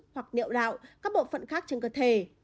hoặc niệu đạo các bộ phận khác trên cơ thể